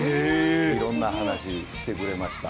色んな話をしてくれました。